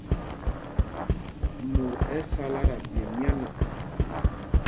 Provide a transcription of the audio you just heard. Mot ɛ sala ta ɓye myána.